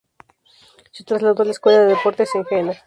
Se trasladó a la escuela de deportes en Jena.